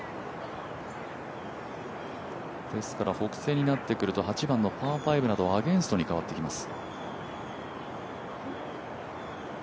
北西になってくると８番のパー５などアゲンストに変わってきます。